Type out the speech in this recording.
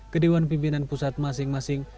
kedewan pimpinan pusat masing masing